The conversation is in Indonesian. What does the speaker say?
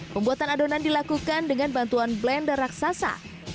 pembuatan adonan dilakukan dengan bantuan blender raksasa